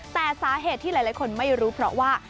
แต่สาเหตุที่หลายคนไม่รู้เพราะว่า